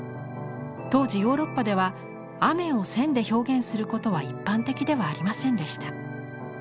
当時ヨーロッパでは雨を線で表現することは一般的ではありませんでした。